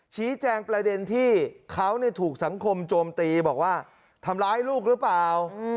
ชี้แจงประเด็นที่เขาถูกสังคมโจมตีบอกว่าทำร้ายลูกหรือเปล่า